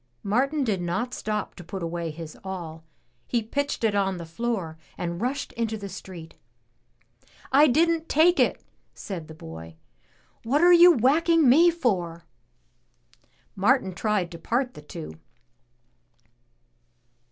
Martin did not stop to put away his awl; he pitched it on the floor and rushed into the street. " I didn't take it!'' said the boy. "What are you whacking me for?" Martin tried to part the two.